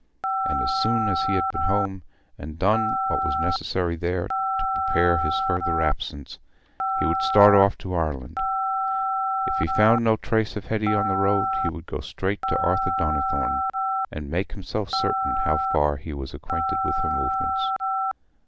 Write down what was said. And as soon as he had been home and done what was necessary there to prepare for his further absence, he would start off to Ireland: if he found no trace of Hetty on the road, he would go straight to Arthur Donnithorne and make himself certain how far he was acquainted with her movements.